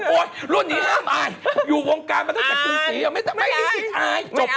โอ๊ยรู้นี้ห้ามอายอยู่วงการมาตั้งแต่กรุงศรีไม่ถึงอาย